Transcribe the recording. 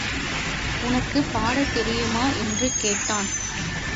உனக்குப் பாடத் தெரியுமா? என்று கேட்டான்.